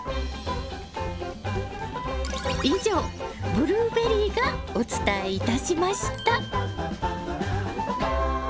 以上ブルーベリーがお伝えいたしました。